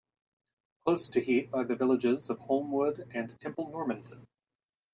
Close to Heath are the villages of Holmewood and Temple Normanton.